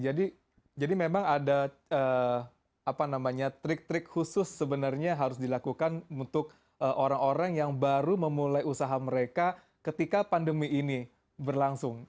memang ada trik trik khusus sebenarnya harus dilakukan untuk orang orang yang baru memulai usaha mereka ketika pandemi ini berlangsung